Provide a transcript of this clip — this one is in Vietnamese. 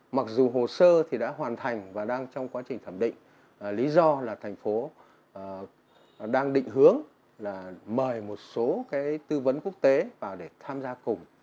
mặc dù hồ sơ thì đã hoàn thành và đang trong quá trình thẩm định lý do là thành phố đang định hướng là mời một số cái tư vấn quốc tế vào để tham gia cùng